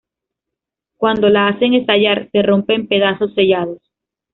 Cuando la hacen estallar, se rompe en pedazos sellados.